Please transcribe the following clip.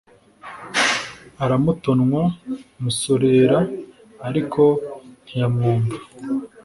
Aramutonwa musoreera, ariko ntiyamwumva